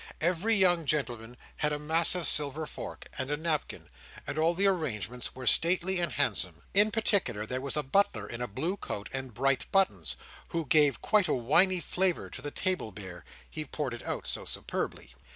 Every young gentleman had a massive silver fork, and a napkin; and all the arrangements were stately and handsome. In particular, there was a butler in a blue coat and bright buttons, who gave quite a winey flavour to the table beer; he poured it out so superbly.